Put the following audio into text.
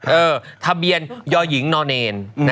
เออทะเบียนยหญิงนเนนนะ๘๒๒๙